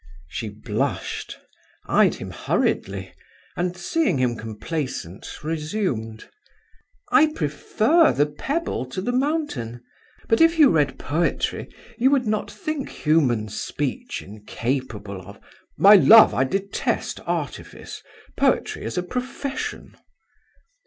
She blushed, eyed him hurriedly, and seeing him complacent, resumed, "I prefer the pebble to the mountain; but if you read poetry you would not think human speech incapable of. .." "My love, I detest artifice. Poetry is a profession."